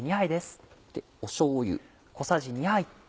しょうゆ。